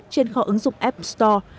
trên kho ứng dụng app store